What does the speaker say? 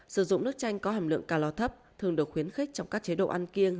sử dụng nước chanh có hàm lượng calor thấp thường được khuyến khích trong các chế độ ăn kiêng